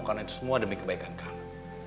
karena itu semua demi kebaikan kamu